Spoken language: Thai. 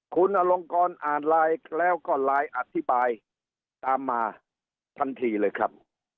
คุณอลงกรอ่านไลน์แล้วก็ไลน์อธิบายตามมาทันทีเลยครับ